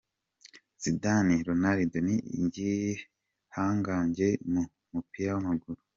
Zidane: Ronaldo ni igihangange mu mupira w'amaguru.